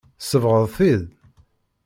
Tsebɣeḍ-t-id.